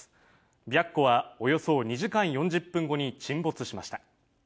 「白虎」はおよそ２時間４０分後に沈没しました。